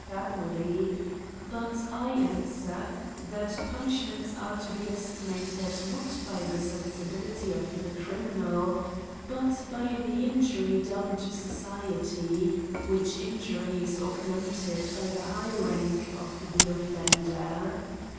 81 •usfl^mily: but I answer, that punishments are to be estimated, not by the sensibility of the criminal, but by the injury done to society, which injury is augmented by the high rank of die offender.